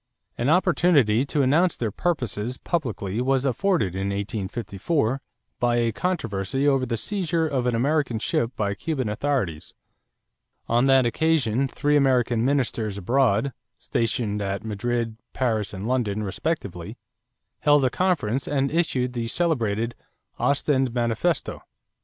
An opportunity to announce their purposes publicly was afforded in 1854 by a controversy over the seizure of an American ship by Cuban authorities. On that occasion three American ministers abroad, stationed at Madrid, Paris, and London respectively, held a conference and issued the celebrated "Ostend Manifesto."